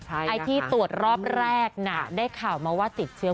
ไอ้ที่ตรวจรอบแรกได้ข่าวมาว่าติดเชื้อ